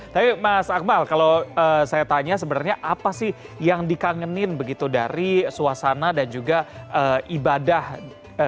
tapi mas akmal kalau saya tanya sebenarnya apa sih yang di kangenin begitu dari suasana dan ibadah selama ramadhan di indonesia dibandingkan di swiss